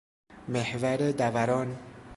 محور دوران